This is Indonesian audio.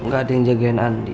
gak ada yang jagain andi